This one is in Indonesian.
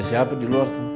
ada siapa di luar